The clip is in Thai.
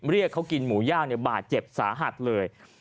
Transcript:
เรียกเขากินหมูย่างบาดเจ็บสาหัสเลย